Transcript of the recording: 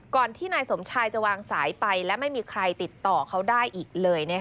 ที่นายสมชายจะวางสายไปและไม่มีใครติดต่อเขาได้อีกเลย